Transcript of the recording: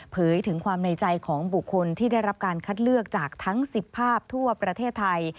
ถึงความในใจของบุคคลที่ได้รับการคัดเลือกจากทั้ง๑๐ภาพทั่วประเทศไทย